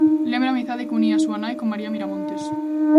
Lembra a amizade que unía súa nai con María Miramontes.